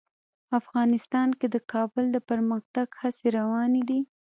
افغانستان کې د کابل د پرمختګ هڅې روانې دي.